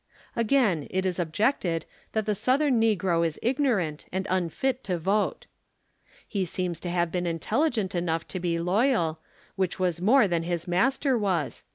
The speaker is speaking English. Again, it is objected, that the Southern negro is igno rant and unfit to vote. He seems to have been intelligent enough to be lo3'al, which was more than his master was.